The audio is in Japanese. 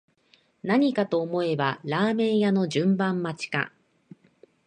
何かと思えばラーメン屋の順番待ちか